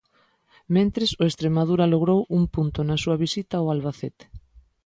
Mentres, o Estremadura logrou un punto na súa visita ao Albacete.